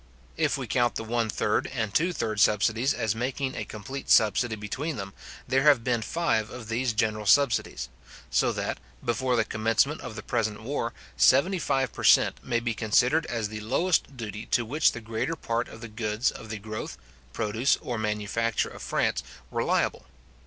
If we count the one third and two third subsidies as making a complete subsidy between them, there have been five of these general subsidies; so that, before the commencement of the present war, seventy five per cent. may be considered as the lowest duty to which the greater part of the goods of the growth, produce, or manufacture of France, were liable.